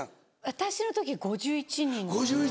私の時５１人。